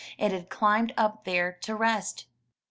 It had climbed up there to rest.